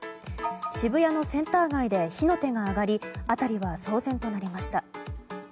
渋谷のセンター街で火の手が上がり辺りは騒然となりました。